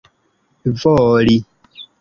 voli